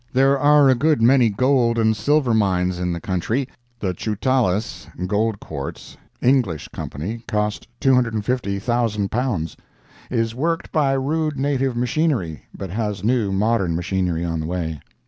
There are a good many gold and silver mines in the country. The Choutales—gold quartz—(English Company—cost £250,000)—is worked by rude native machinery, but has new, modern machinery on the way.